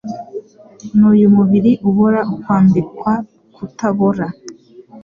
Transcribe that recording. n'uyu mubiri ubora ukambikwa kutabora.